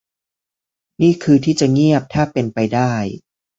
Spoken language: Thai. นี่คือที่จะเงียบถ้าเป็นไปได้